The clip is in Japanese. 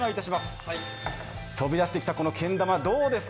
飛び出してきたこのけん玉、どうですか。